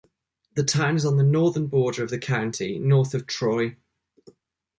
The town is on the northern border of the county, north of Troy.